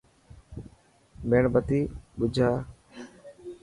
ميڻ بتي ٻجها.